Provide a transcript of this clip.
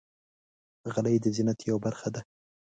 غلۍ د زینت یوه برخه ده.